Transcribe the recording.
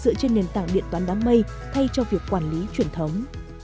dựa trên nền tảng điện toán đám mây thay cho việc quản lý truyền thống